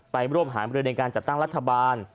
ไปร่วมหามรือในการจัดตั้งรัฐบาล